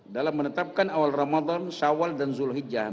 dalam menetapkan awal ramadhan shawwal dan zulhijjah